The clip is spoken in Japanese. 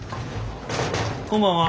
こんばんは。